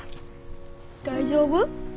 大丈夫？